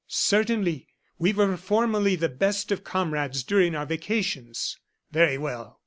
"Certainly; we were formerly the best of comrades during our vacations." "Very well.